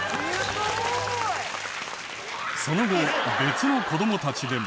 その後別の子どもたちでも。